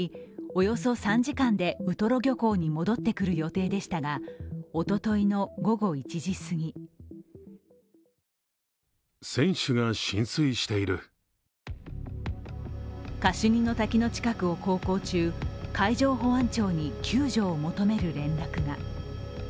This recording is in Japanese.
およそ３時間でウトロ漁港に戻ってくる予定でしたがおとといの午後１時すぎカシュニの滝の近くを航行中海上保安庁に救助を求める連絡が。